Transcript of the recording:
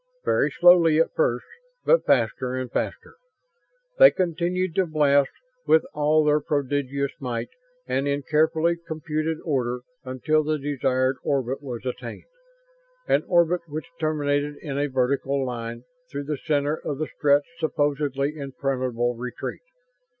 Very slowly at first, but faster and faster. They continued to blast, with all their prodigious might and in carefully computed order, until the desired orbit was attained an orbit which terminated in a vertical line through the center of the Stretts' supposedly impregnable retreat.